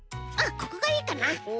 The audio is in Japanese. ここがいいかな。